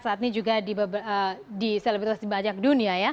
saat ini juga di selebritas di banyak dunia ya